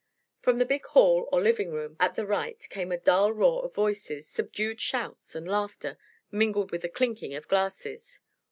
From the big hall, or living room, at the right came a dull roar of voices, subdued shouts and laughter, mingled with the clinking of glasses.